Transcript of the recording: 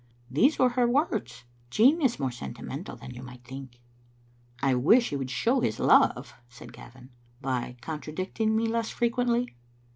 These were her words, Jean is more sentimental than you might think." "I wish he would show his love," said Gavin, "by contradicting me less frequently."